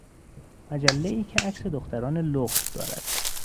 مجلهای که عکس دختران لخت دارد